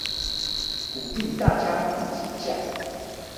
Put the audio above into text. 鼓勵大家自己架